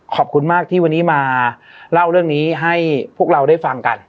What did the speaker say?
ขอบคุณมากที่วันนี้มาเล่าเรื่องนี้ให้พวกเราได้ฟังกัน